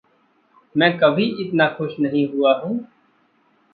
मैं कभी इतना खुश नहीं हुआ हूँ।